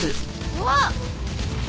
うわっ！